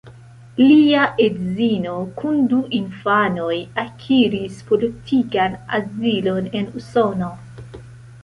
Lia edzino kun du infanoj akiris politikan azilon en Usono.